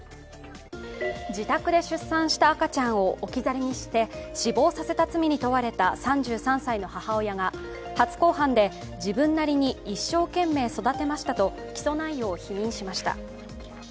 自宅で出産した赤ちゃんを置き去りにして死亡させた罪に問われた３３歳の母親が初公判で自分なりに一生懸命育てましたと起訴内容を否認しました。